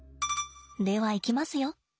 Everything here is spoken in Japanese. ではいきますよ。